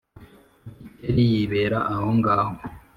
Gikeli yibera ahongaho,